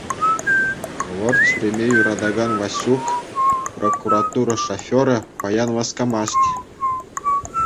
Хӑвӑрт ҫӳреме юратакан Ваҫук, прокуратура шоферӗ, паян васкамасть.